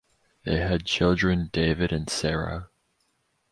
They had children David and Sarah.